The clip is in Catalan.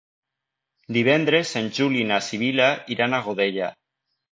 Divendres en Juli i na Sibil·la iran a Godella.